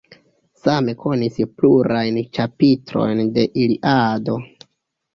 Same konis plurajn ĉapitrojn de Iliado.